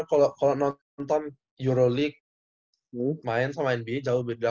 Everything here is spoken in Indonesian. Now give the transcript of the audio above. tapi bilang bener kalau nonton euro league main sama nba jauh beda